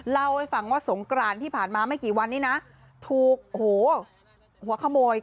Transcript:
เล่าให้ฟังว่าสงกรานที่ผ่านมาไม่กี่วันนี้นะถูกโอ้โหหัวขโมย